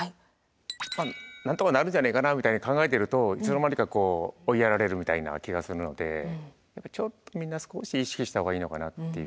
まあなんとかなるんじゃねえかなみたいに考えてるといつの間にかこう追いやられるみたいな気がするのでちょっとみんな少し意識した方がいいのかなっていう。